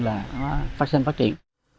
và nó phát triển phát triển